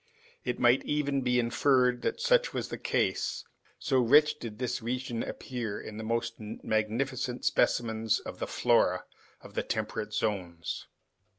It might even be inferred that such was the case, so rich did this region appear in the most magnificent specimens of the flora of the temperate zones.